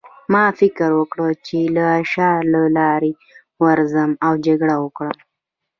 ما فکر وکړ چې له شا لارې ووځم او جګړه وکړم